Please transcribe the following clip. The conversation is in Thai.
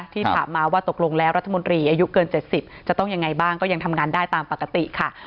ถามมาว่าตกลงแล้วรัฐมนตรีอายุเกิน๗๐จะต้องยังไงบ้างก็ยังทำงานได้ตามปกติค่ะ